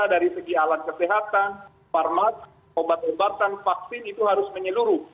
dari segi alat kesehatan farmasi obat obatan vaksin itu harus menyeluruh